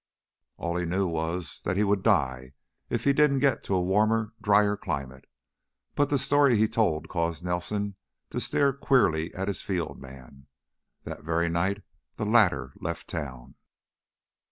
All he knew was that he would die if he didn't get to a warmer, drier climate; but the story he told caused Henry Nelson to stare queerly at his field man. That very night the latter left town.